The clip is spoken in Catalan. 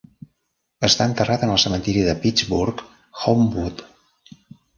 Està enterrat en el cementiri de Pittsburgh Homewood.